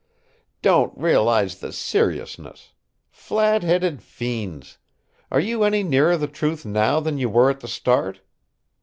"Don't realize the seriousness! Flat headed fiends! Are you any nearer the truth now than you were at the start?